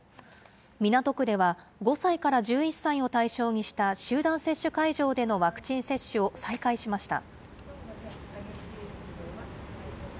港区では５歳から１１歳を対象にした集団接種会場でのワクチン接種を再開しました。